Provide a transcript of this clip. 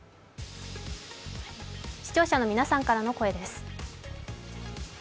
視聴者の皆さんからの声です。